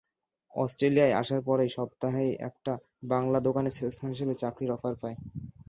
অস্ট্রেলিয়ায় আসার পরের সপ্তাহেই একটা বাংলা দোকানে সেলসম্যান হিসেবে চাকরির অফার পাই।